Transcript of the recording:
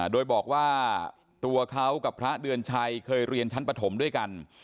โดยบอกว่าตัวเขากับพระเดือนชัยเคยเรียนชั้นปฐมด้วยกัน